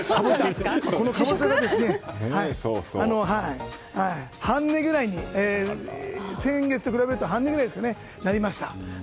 このカボチャが、先月と比べると半値くらいになりました。